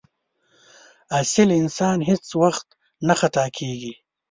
اصیل انسان هېڅ وخت نه خطا کېږي.